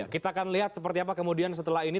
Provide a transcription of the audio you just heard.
kita akan lihat seperti apa kemudian setelah ini